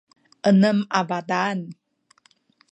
enem a bataan